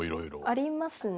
ありますね。